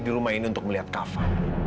di rumah ini untuk melihat kafe